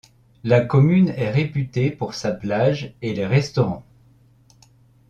La commune est réputée pour sa plage et les restaurants.